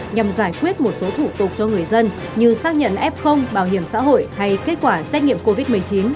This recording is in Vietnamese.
nhằm giải quyết một số thủ tục cho người dân như xác nhận f bảo hiểm xã hội hay kết quả xét nghiệm covid một mươi chín